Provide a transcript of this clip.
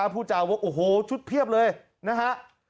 ผู้จาวกโอ้โหชุดเพียบเลยนะฮะ